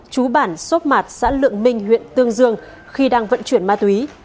chú bản xốp mạt xã lượng minh huyện tương dương khi đang vận chuyển ma túy